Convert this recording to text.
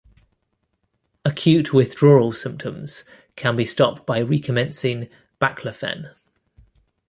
Acute withdrawal symptoms can be stopped by recommencing baclofen.